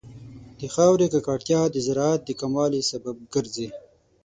د خاورې ککړتیا د زراعت د کموالي سبب ګرځي.